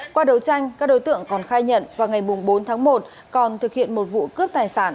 qua đấu tranh các đối tượng còn khai nhận vào ngày bốn tháng một còn thực hiện một vụ cướp tài sản